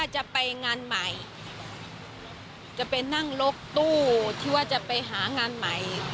จะไปนั่งรถตู้ที่ว่าจะไปหางานใหม่